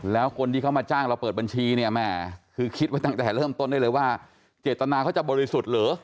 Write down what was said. แล้วคนที่เขามาจ้างเราเปิดบัญชีเนี่ยแม่คือคิดไว้ตั้งแต่เริ่มต้นได้เลยว่าเจตนาเขาจะบริสุทธิ์เหรอ